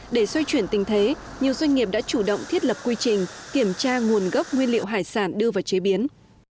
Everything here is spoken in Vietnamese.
để xoay chuyển tình thế nhiều doanh nghiệp đã chủ động thiết lập quy trình kiểm tra nguồn gốc nguyên liệu hải sản đưa vào chế biến